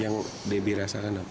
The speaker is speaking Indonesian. yang febi rasakan apa